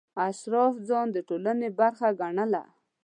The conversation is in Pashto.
اشراف ځان د ټولنې برخه ګڼله.